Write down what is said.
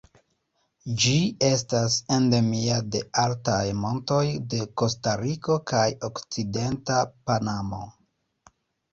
Ĝi estas endemia de altaj montoj de Kostariko kaj okcidenta Panamo.